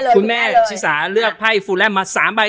คุณแม่ชิสาเลือกไพ่ฟูแลมมา๓ใบ